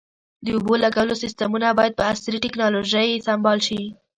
د اوبو لګولو سیستمونه باید په عصري ټکنالوژۍ سنبال شي.